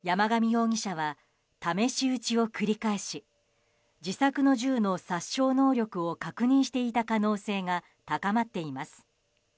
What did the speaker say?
山上容疑者は試し撃ちを繰り返し自作の銃の殺傷能力を確認していた可能性が高まっています。